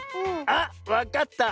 あっわかった。